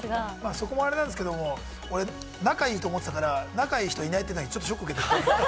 そこもあれなんですけれども、俺、仲いいと思ってたから、仲いい人いないというのにちょっとショックを受けた。